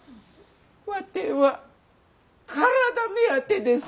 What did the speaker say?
わては体目当てです。